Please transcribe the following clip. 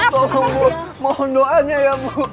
tolong mohon doanya ya bu